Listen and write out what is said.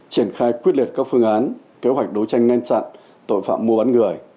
triển khai quyết liệt các phương án kế hoạch đấu tranh ngăn chặn tội phạm mua bán người